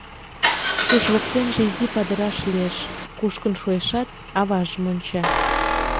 Кеч воктенже изи падыраш лиеш, кушкын шуэшат, аважым онча.